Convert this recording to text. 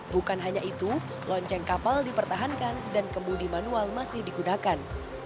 bukan hanya itu lonceng kapal dipertahankan dan kembudi manual masih digunakan